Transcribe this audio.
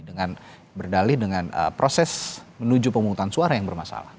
dengan berdalih dengan proses menuju pemungutan suara yang bermasalah